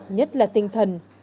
nhất là tinh thần học tập suốt đời